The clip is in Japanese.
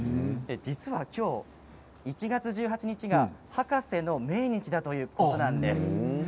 今日、１月１８日は博士の命日だということなんです。